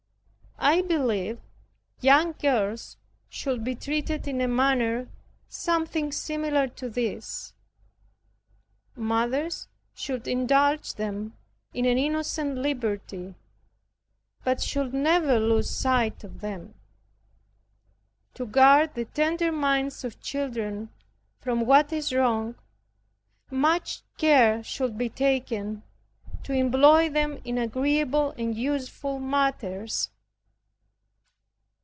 I believe young girls should be treated in a manner something similar to this. Mothers should indulge them in an innocent liberty, but should never lose sight of them. To guard the tender minds of children from what is wrong, much care should be taken to employ them in agreeable and useful matters.